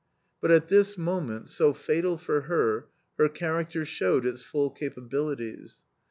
But at this moment, so fatal for her, her character showed its full capabilities.